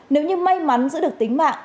nếu như may mắn giữ được tính mạng